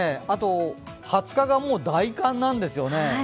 あと２０日がもう大寒なんですよね。